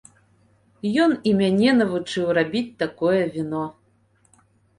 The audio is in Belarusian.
Ён і мяне навучыў рабіць такое віно.